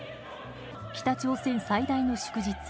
北朝鮮最大の祝日